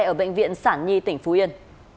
ở bệnh viện sản nhi tỉnh phú yên